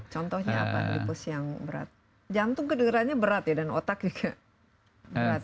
contohnya apa tipus yang berat jantung kederanya berat ya dan otak juga berat